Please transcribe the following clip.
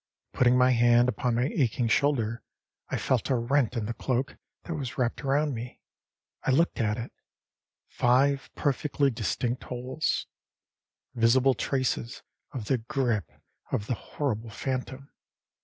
Putting my hand upon my aching shoulder, I felt a rent in the cloak that was wrapped around me. I looked at it; five perfectly distinct holes visible traces of the grip of the horrible phantom.